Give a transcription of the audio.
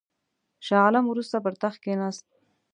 شاه عالم وروسته پر تخت کښېنست.